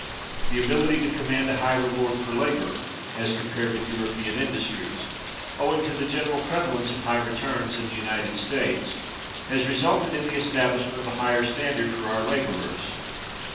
The ability to command a high reward for labor (as compared with European industries), owing to the general prevalence of high returns in the United States, has resulted in the establishment of a higher standard for our laborers.